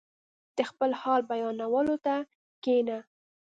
• د خپل حال بیانولو ته کښېنه.